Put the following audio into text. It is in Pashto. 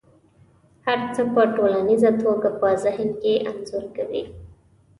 هر څه په ټوليزه توګه په ذهن کې انځور کوي.